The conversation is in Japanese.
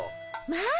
まあ！